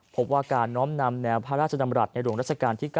พบว่าการน้อมนำแนวพระราชดำรัฐในหลวงรัชกาลที่๙